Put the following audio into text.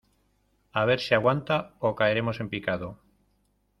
a ver si aguanta, o caeremos en picado.